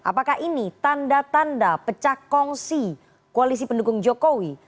apakah ini tanda tanda pecah kongsi koalisi pendukung jokowi